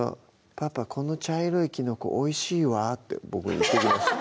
「パパこの茶色いきのこおいしいわ」ってボクに言ってきました